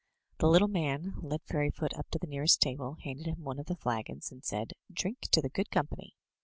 The little man led Fairyfoot up to the nearest table, handed him one of the flagons, and said, "Drink to the good company!'